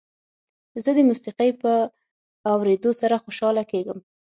زه د موسیقۍ په اورېدو سره خوشحاله کېږم.